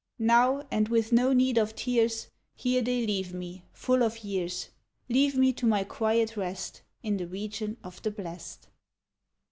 Now, and with no need of tears. Here they leave me, full of years, ■ Leave me to my quiet rest In the region of the blest.